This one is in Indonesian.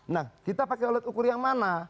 nah kita pakai alat ukur yang mana